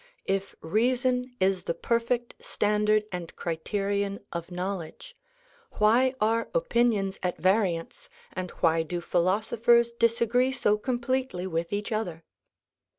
If reason is the perfect standard and criterion of knowledge, why are opinions at variance and why do philoso phers disagree so completely with each other